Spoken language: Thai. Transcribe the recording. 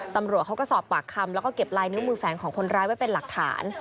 ตำรวจเขาก็สอบปากคำแล้วก็เก็บลายนิ้วมือแฝงของคนร้ายไว้เป็นหลักฐาน